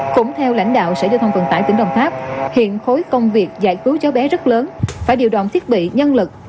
cũng theo lãnh đạo xây dựng thông vận tải tỉnh đồng tháp hiện khối công việc giải cứu cháu bé rất lớn phải điều đoàn thiết bị nhân lực